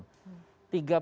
tiga perilaku ini adalah